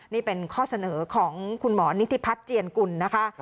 นี่เป็นข้อเสนอของคุณหมอนิติพัฒน์เจียนกุลนะคะ